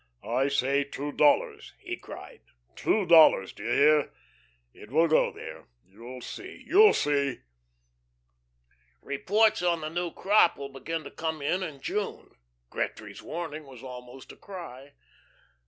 "I say two dollars," he cried. "Two dollars, do you hear? It will go there, you'll see, you'll see." "Reports on the new crop will begin to come in in June." Gretry's warning was almost a cry.